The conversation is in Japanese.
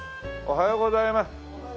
おはようございます。